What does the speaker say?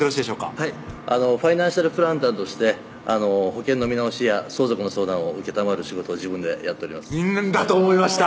はいファイナンシャルプランナーとして保険の見直しや相続の相談を承る仕事を自分でやっておりますだと思いました